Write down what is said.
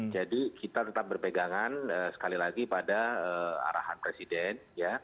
jadi kita tetap berpegangan sekali lagi pada arahan presiden